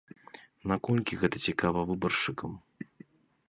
Наколькі гэта цікава выбаршчыкам?